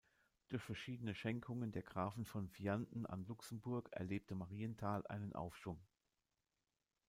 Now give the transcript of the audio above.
Durch verschiedene Schenkungen der Grafen von Vianden an Luxemburg erlebte Marienthal einen Aufschwung.